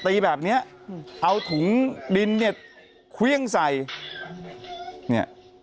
ตีแบบนี้เอาถุงดินเครื่องใส่